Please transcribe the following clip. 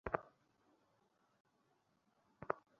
আপনার কাছে স্কুলের ঠিকানাটা আছে?